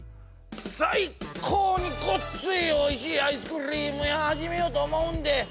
さいこうにごっついおいしいアイスクリームやはじめようとおもうんで。